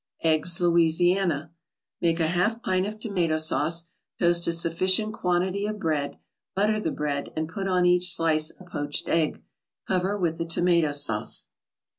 EGGS LOUISIANA Make a half pint of tomato sauce, toast a sufficient quantity of bread, butter the bread and put on each slice a poached egg; cover with the tomato sauce.